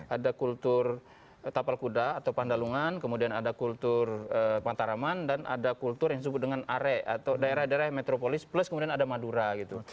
ada kultur tapal kuda atau pandalungan kemudian ada kultur mataraman dan ada kultur yang disebut dengan are atau daerah daerah metropolis plus kemudian ada madura gitu